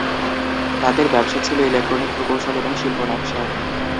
তাদের ব্যবসা ছিল ইলেকট্রনিক প্রকৌশল এবং শিল্প নকশা।